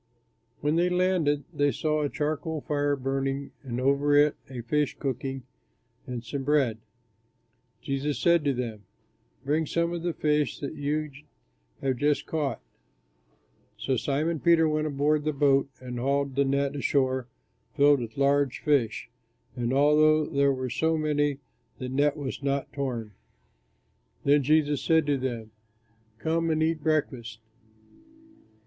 When they landed, they saw a charcoal fire burning, and over it a fish cooking, and some bread. Jesus said to them, "Bring some of the fish that you have just caught." So Simon Peter went aboard the boat and hauled the net ashore filled with large fish; and although there were so many, the net was not torn. Then Jesus said to them, "Come and eat breakfast."